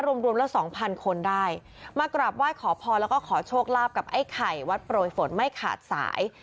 รวมรวมแล้วสองพันคนได้มากราบไหว้ขอพรแล้วก็ขอโชคลาภกับไอ้ไข่วัดโปรยฝนไม่ขาดสาย